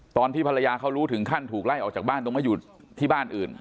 ตอนที่ภรรยาเขารู้ถึงขั้นถูกไล่ออกจากบ้านตรงมาอยู่ที่บ้านอื่น